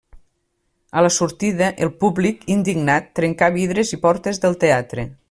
A la sortida, el públic, indignat, trencà vidres i portes del teatre.